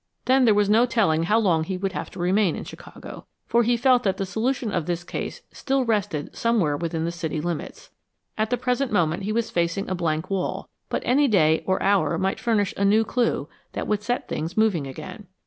Then there was no telling how long he would have to remain in Chicago, for he felt that the solution of this case still rested somewhere within the city limits. At the present moment he was facing a blank wall, but any day or hour might furnish a new clue that would set things moving again.